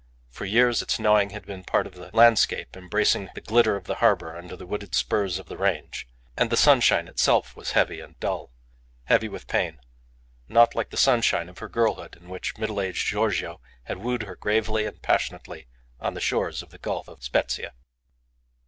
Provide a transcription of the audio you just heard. For years its gnawing had been part of the landscape embracing the glitter of the harbour under the wooded spurs of the range; and the sunshine itself was heavy and dull heavy with pain not like the sunshine of her girlhood, in which middle aged Giorgio had wooed her gravely and passionately on the shores of the gulf of Spezzia.